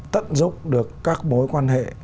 tận dụng được các mối quan hệ